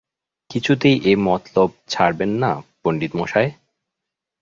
কিছুতেই এ মতলব ছাড়বেন না পণ্ডিতমশায়?